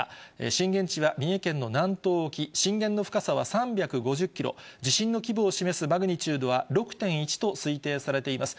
震源地は三重県の南東沖、震源の深さは３５０キロ、地震の規模を示すマグニチュードは６．１と推定されています。